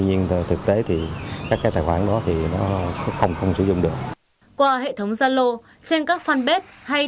nhưng thực tế thì các cái tài khoản đó thì nó không sử dụng được qua hệ thống zalo trên các fanpage hay